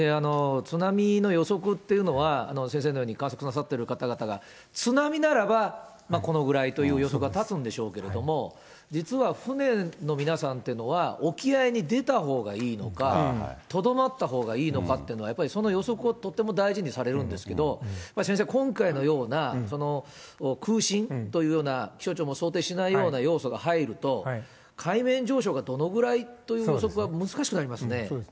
津波の予測っていうのは、先生のように、観測なさってる方々が、津波ならばこのぐらいという予測は立つんでしょうけれども、実は船の皆さんっていうのは、沖合に出たほうがいいのか、とどまったほうがいいのかっていうのは、その予測はとても大事にされるんですけど、先生、今回のような空振というような、気象庁も想定しないような要素が入ると、海面上昇がどのぐらいという予測が難しくなりますね。